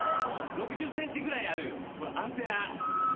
６０ｃｍぐらいあるアンテナ。